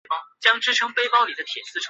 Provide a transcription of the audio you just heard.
萨夫洛。